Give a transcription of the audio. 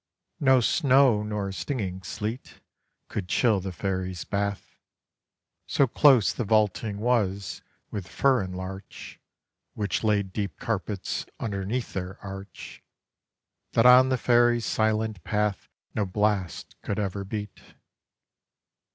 No snow nor stinging sleet Could chill the fairies' bath; So close the vaulting was with fir and larch Which laid deep carpets underneath their arch, That on the fairies' silent path No blast could ever beat.